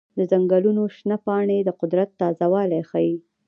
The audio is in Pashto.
د ځنګلونو شنه پاڼې د قدرت تازه والی ښيي.